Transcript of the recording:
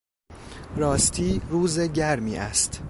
راستی روز گرمی است!